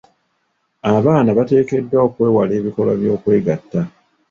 Abaana bateekeddwa okwewala ebikolwa by'okwegatta.